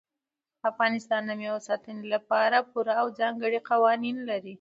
افغانستان د مېوو د ساتنې لپاره پوره او ځانګړي قوانین لري.